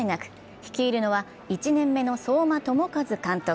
率いるのは１年目の相馬朋和監督。